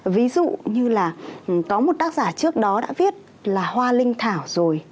ví dụ như là có một tác giả trước đó đã viết là hoa linh thảo rồi